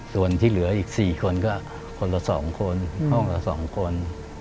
ส่วนที่เหลืออีก๘คนนนี้ก็๑๒คนห้องละ๒คน